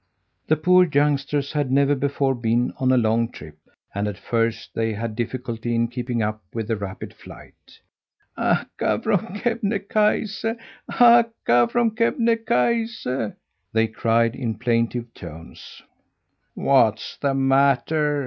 The poor youngsters had never before been on a long trip and at first they had difficulty in keeping up with the rapid flight. "Akka from Kebnekaise! Akka from Kebnekaise!" they cried in plaintive tones. "What's the matter?"